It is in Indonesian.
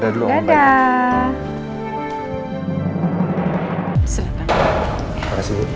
terima kasih ibu